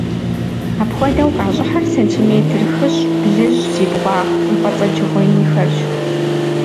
Апхуэдэу къащӀыхьыр сантиметр хыщӀ-блыщӀ зи бгъуагъ хъумпӀэцӀэджыгъуэ инхэрщ.